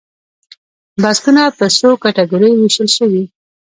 بستونه په څو کټګوریو ویشل شوي؟